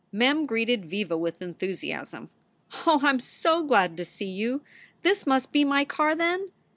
Mem greeted Viva with enthusiasm: "Oh, I m so glad to see you! This must be my car, then."